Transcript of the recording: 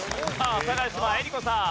阿佐ヶ谷姉妹江里子さん。